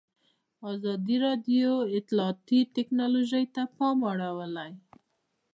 ازادي راډیو د اطلاعاتی تکنالوژي ته پام اړولی.